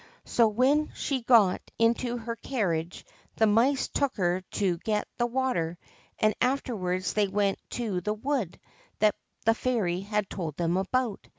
So, when she got into her carriage, the mice took her to get the water, and afterwards they went to the wood that the fairy had told them about.